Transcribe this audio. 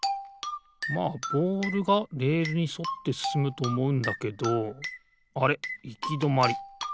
まあボールがレールにそってすすむとおもうんだけどあれっいきどまり。